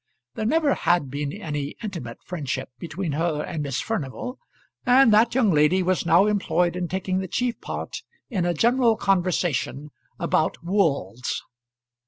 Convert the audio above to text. There never had been any intimate friendship between her and Miss Furnival, and that young lady was now employed in taking the chief part in a general conversation about wools.